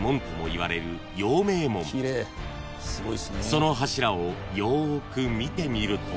［その柱をよく見て見ると］